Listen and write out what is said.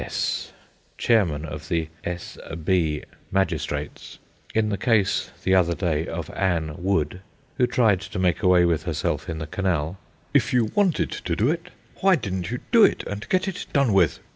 S , chairman of the S B magistrates, in the case the other day of Ann Wood, who tried to make away with herself in the canal: "If you wanted to do it, why didn't you do it and get it done with?"